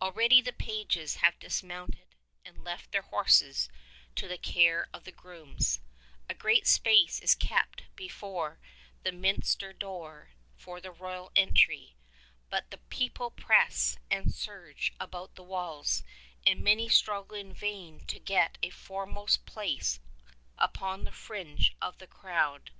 Already the pages have dismounted and left their horses to the care of the grooms, A great space is kept before the 65 minster door for the royal entry, but the people press and surge about the walls, and many struggle in vain to get a foremost place upon the fringe of the crowd.